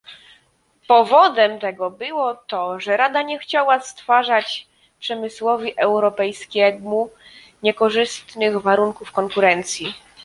Powodem tego było to, że Rada nie chciała stwarzać przemysłowi europejskiemu niekorzystnych warunków konkurencji